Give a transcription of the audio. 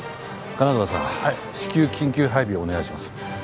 金沢さん至急緊急配備をお願いします。